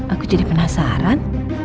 aku jadi penasaran